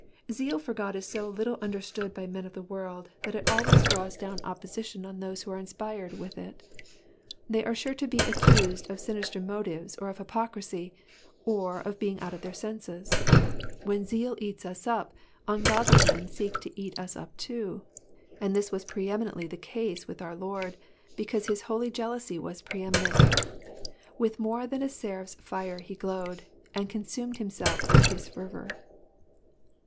Zeal for God is so little understood by men of the world, that it always draws down opposition upon those who are inspired with it ; they are sure to be accused of sinister motives, or of hypocrisy, or of being out of their senses. When zeal eats us up, ungodly men seek to eat us up too, and this was pre eminently the case with our Lord, because his holy jealousy was pre eminent. With more than a seraph's fire he glowed, and consumed himself with his fervour.